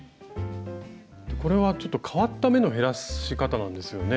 これはちょっと変わった目の減らし方なんですよね。